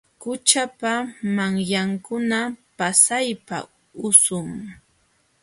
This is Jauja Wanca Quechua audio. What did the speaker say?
Qućhapa manyankuna pasaypa usum.